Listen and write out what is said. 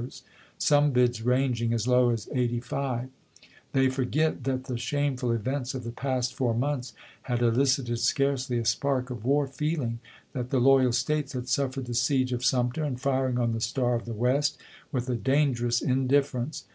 IV, ei'S, some bids ranging as low as eighty five/ They forget that the shameful events of the past foui* months had elicited scarcely a spark of war feel ing ; that the loyal States had suffered the siege of Sumter and firing on the Star of the West with a dangerous indifference.